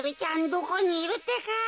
どこにいるってか。